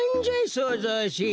そうぞうしい。